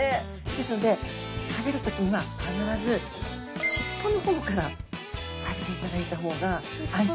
ですので食べる時には必ず尻尾の方から食べていただいた方が安心。